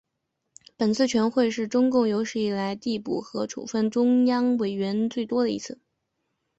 本次全会是中共有史以来递补和处分中央委员最多的一次。